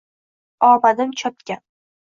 Omadim chopgan.